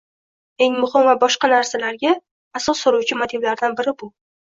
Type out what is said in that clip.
eng muhim va boshqa barcha narsalarga asos soluvchi motivlardan biri bu